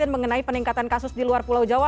mengenai peningkatan kasus di luar pulau jawa